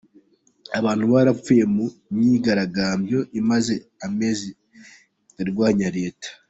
Abantu barapfuye mu myigaragambyo imaze amezi irwanya leta.